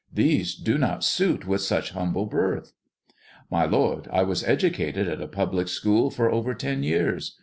These do not sui with such humble birth." " My lord, I was educated at a public school for over tei years.